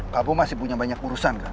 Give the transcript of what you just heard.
kamu masih punya banyak urusan kan